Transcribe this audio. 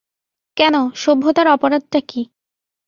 কেন, সভ্যতার অপরাধটা কী।